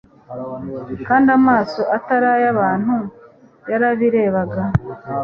Kandi amaso atari ay'abantu yarabirebaga.